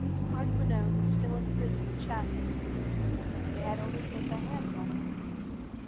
Hardquanonne was still in prison at Chatham. They had only to put their hands on him.